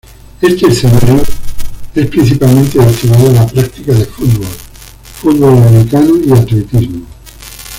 Este escenario es principalmente destinado a la práctica de fútbol, fútbol americano y atletismo.